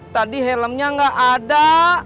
tadi helmnya gak ada